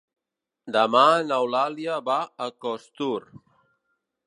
Demà n'Eulàlia va a Costur.